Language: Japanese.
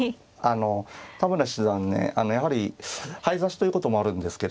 田村七段ねやはり早指しということもあるんですけれども